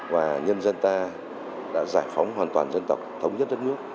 và nhân dân ta đã giải phóng hoàn toàn dân tộc thống nhất đất nước